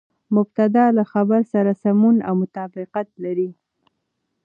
مبتداء له خبر سره سمون او مطابقت لري.